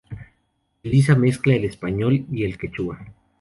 Utiliza mezcla el español y el quechua.